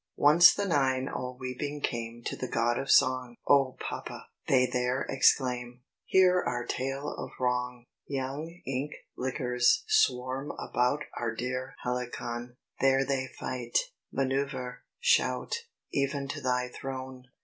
Once the nine all weeping came To the god of song "Oh, papa!" they there exclaim "Hear our tale of wrong! "Young ink lickers swarm about Our dear Helicon; There they fight, manoeuvre, shout, Even to thy throne.